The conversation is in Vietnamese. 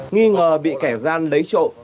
nghi ngờ bị kẻ gian lấy trộm